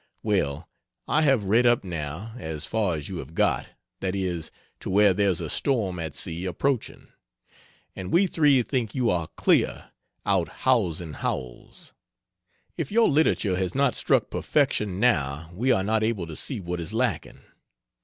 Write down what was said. Well, I have read up, now, as far as you have got, that is, to where there's a storm at sea approaching, and we three think you are clear, out Howellsing Howells. If your literature has not struck perfection now we are not able to see what is lacking.